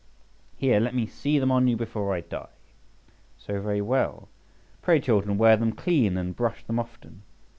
Here, let me see them on you before I die. So, very well! Pray, children, wear them clean and brush them often.